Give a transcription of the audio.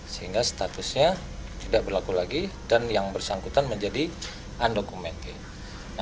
sehingga statusnya tidak berlaku lagi dan yang bersangkutan menjadi undocumented